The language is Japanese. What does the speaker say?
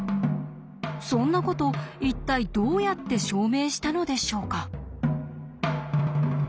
そんなこと一体どうやって証明したのでしょうか。